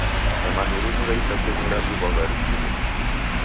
Nyamandu rimu ra isakenyi radiw'agha rijigho.